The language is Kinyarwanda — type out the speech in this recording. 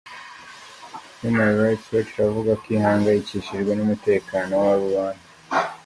Human Rights Watch iravuga ko ihangayikishijwe n’umutekano w’abo bantu.